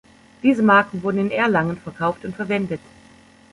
Diese Marken wurden in Erlangen verkauft und verwendet.